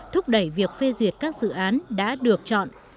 thúc đẩy việc phê duyệt các dự án đã được chọn